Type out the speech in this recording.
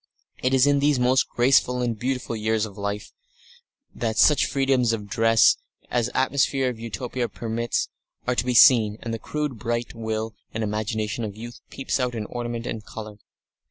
It is in these most graceful and beautiful years of life that such freedoms of dress as the atmosphere of Utopia permits are to be seen, and the crude bright will and imagination of youth peeps out in ornament and colour.